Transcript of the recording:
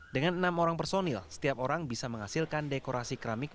dengan enam orang personil setiap orang bisa menghasilkan dekorasi keramik